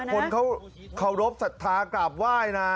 คนเขารบศรัทธากราบไหว้นะ